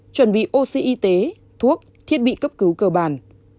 chuẩn bị oxy y tế thuốc thiết bị cấp cứu cơ bản